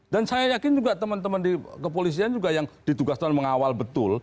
dan saya yakin juga teman teman kepolisian juga yang ditugas mengawal betul